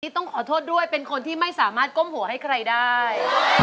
ต้องขอโทษด้วยเป็นคนที่ไม่สามารถก้มหัวให้ใครได้